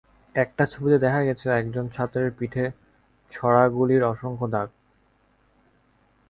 একটা ছবিতে দেখা গেছে, একজন ছাত্রর পিঠে ছর্রা গুলির অসংখ্য দাগ।